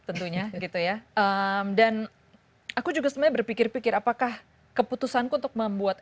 tentunya gitu ya dan aku juga sebenarnya berpikir pikir apakah keputusanku untuk membuat